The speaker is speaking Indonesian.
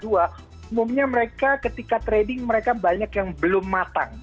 umumnya mereka ketika trading mereka banyak yang belum matang